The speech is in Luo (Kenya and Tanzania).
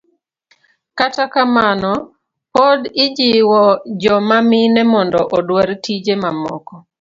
kata kamano, pod ijiwo joma mine mondo odwar tije mamoko.